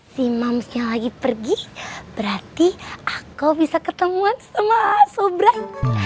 si mamsnya lagi pergi berarti aku bisa ketemuan sama asobrat